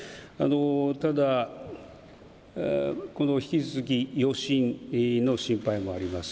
ただ、この引き続き余震の心配もあります。